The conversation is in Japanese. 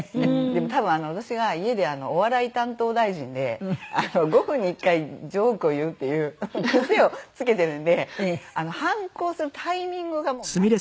でも多分私が家でお笑い担当大臣で５分に１回ジョークを言うっていう癖をつけてるんで反抗するタイミングがもうない。